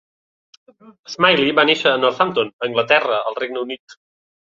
Smiley va néixer a Northampton, Anglaterra, al Regne Unit.